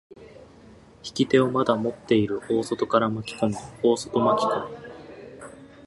引き手をまだ持っている大外から巻き込み、大外巻き込み。